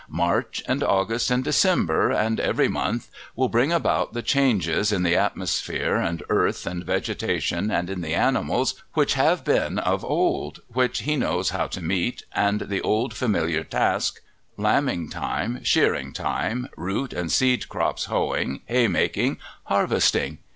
March and August and December, and every month, will bring about the changes in the atmosphere and earth and vegetation and in the animals, which have been from of old, which he knows how to meet, and the old, familiar task, lambing time, shearing time, root and seed crops hoeing, haymaking, harvesting.